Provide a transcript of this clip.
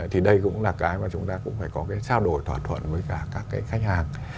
thì đây cũng là cái mà chúng ta cũng phải có cái trao đổi thỏa thuận với cả các cái khách hàng